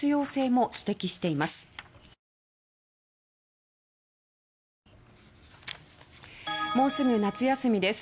もうすぐ夏休みです。